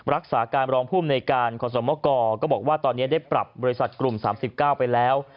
รักษาการรองภูมิในการขอสมกรก็บอกว่าตอนนี้ได้ปรับบริษัทกลุ่ม๓๙ไปแล้ว